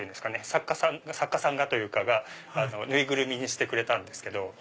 作家さんがというか縫いぐるみにしてくれたんです。